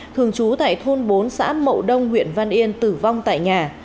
thường trú tại thôn bốn xã mậu đông huyện văn yên tử vong tại nhà